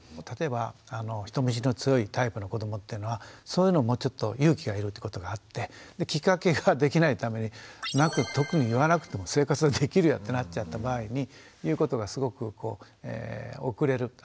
例えば人見知りの強いタイプの子どもっていうのはそういうのもちょっと勇気がいるってことがあってきっかけができないために特に言わなくても生活ができるよってなっちゃった場合に言うことがすごく遅れる。